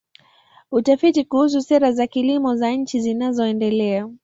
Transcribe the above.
Utafiti kuhusu sera za kilimo za nchi zinazoendelea.